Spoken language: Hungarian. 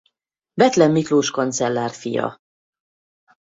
Bethlen Miklós kancellár fia.